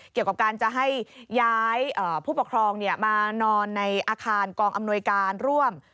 เกี่ยวกับการจะให้ย้ายผู้ปกครองมานอนในอาคารกองอำนวยการร่วม